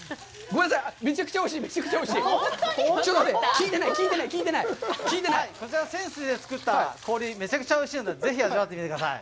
こちら、仙水で作った氷、めちゃくちゃおいしいのでぜひ味わってみて下さい。